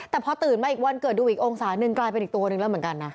แต่พอตื่นมาอีกวันเกิดดูอีกองศาหนึ่งกลายเป็นอีกตัวหนึ่งแล้วเหมือนกันนะ